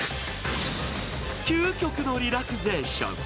究極のリラクゼーション。